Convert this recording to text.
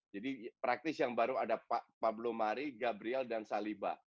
jadi praktis yang baru ada pablo mari gabriel dan saliba